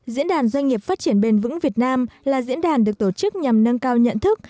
diễn đàn doanh nghiệp phát triển bền vững việt nam là diễn đàn được tổ chức nhằm nâng cao nhận thức